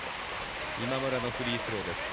今村のフリースロー。